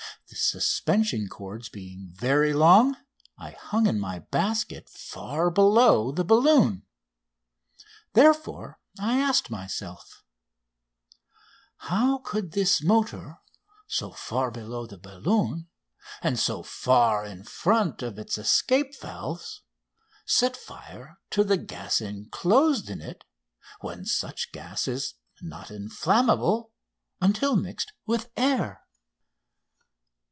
The suspension cords being very long I hung in my basket far below the balloon. Therefore I asked myself: "How could this motor, so far below the balloon, and so far in front of its escape valves, set fire to the gas enclosed in it when such gas is not inflammable until mixed with air?"